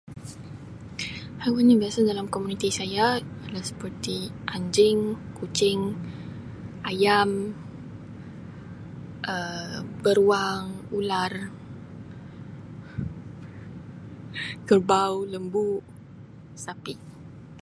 Haiwan yang biasa dalam komuniti saya ialah seperti anjing, kucing, ayam, Um beruang, ular kerbau, lembu, sapi.